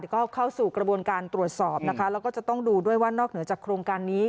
ก็เข้าสู่กระบวนการตรวจสอบนะคะแล้วก็จะต้องดูด้วยว่านอกเหนือจากโครงการนี้